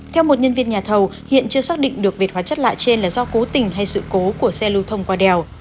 theo một nhân viên nhà thầu hiện chưa xác định được vệt hóa chất lạ trên là do cố tình hay sự cố của xe lưu thông qua đèo